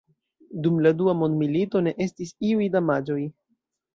Dum la Dua mondmilito ne estis iuj damaĝoj.